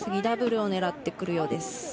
ダブルをねらってくるようです。